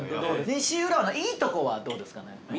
西浦和のいいとこはどうですかね？